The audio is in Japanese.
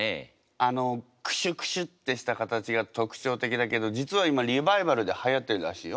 あのクシュクシュってした形が特徴的だけど実は今リバイバルではやってるらしいよ。